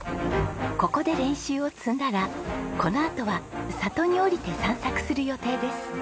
ここで練習を積んだらこのあとは里に下りて散策する予定です。